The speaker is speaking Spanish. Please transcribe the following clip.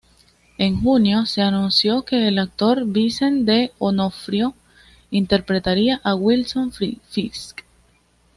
En junio, se anunció que el actor Vincent D'Onofrio interpretaría a Wilson Fisk.